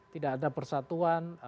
tidak ada persatuan